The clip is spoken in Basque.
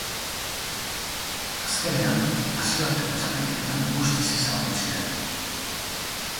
Azkenean, nazioarteko txapelketetan guztiz ezabatu ziren.